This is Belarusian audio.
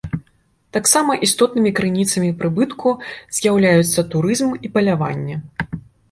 Таксама істотнымі крыніцамі прыбытку з'яўляюцца турызм і паляванне.